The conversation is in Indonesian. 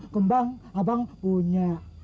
kembang abang punya